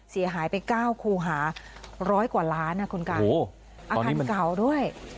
เสียหายไป๙คูหาร้อยกว่าล้านนะคุณกันอาคารเก่าด้วย